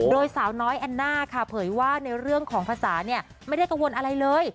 โดยสาวน้อยแอนน่าค่ะเผยว่าในเรื่องของภาษาเนี่ยไม่ได้กังวลอะไรเลย